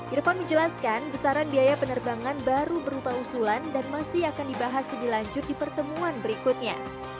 irfan menjelaskan besaran biaya penerbangan baru berupa usulan dan masih akan dibahas lebih lanjut di pertemuan berikutnya